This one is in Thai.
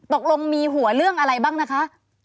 ตกลงมีหัวเรื่องอะไรบ้างนะคะ